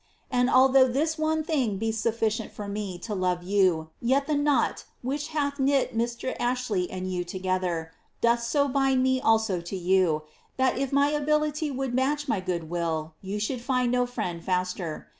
And although this one thing be suf Ocient for me to love you, yet the knot which hath knit Mr. Astley and you together, doth so bind me also to you, that if my ability would match my good will you should find no friend faster.